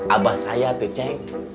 abah saya tuh ceng